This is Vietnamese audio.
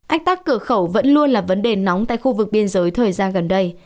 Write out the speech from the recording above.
ánh tắt cửa khẩu vẫn luôn là vấn đề nóng tại khu vực biên giới thời gian gần đây